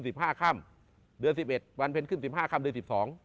สิบห้าค่ำเดือนสิบเอ็ดวันเพ็ญขึ้นสิบห้าค่ำเดือนสิบสอง